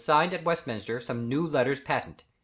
signed at Westminster some new letters patent.